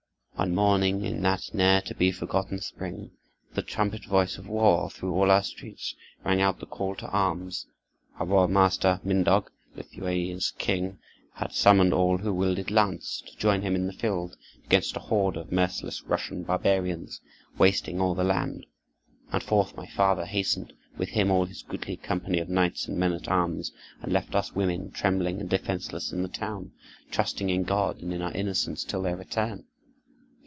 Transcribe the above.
One morning, in that ne'er to be forgotten spring, the trumpet voice of war through all our streets rang out the call to arms. Our royal master, Mindog, Lithuania's king, had summoned all who wielded lance, to join him in the field, against a horde of merciless Russian barbarians, wasting all the land. And forth my father hastened, with him all his goodly company of knights and men at arms, and left us women, trembling and defenseless, in the town, trusting in God and in our innocence, till their return.